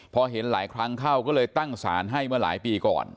พอเห็นหลายครั้งเข้าก็เลยตั้งสารให้เมื่อหลายปีก่อน